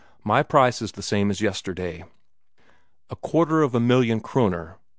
My price is the same as yesterday." "A quarter of a million Kroner?"